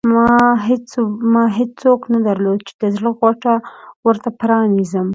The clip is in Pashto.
ما هېڅوک نه درلودل چې د زړه غوټه ورته پرانېزم.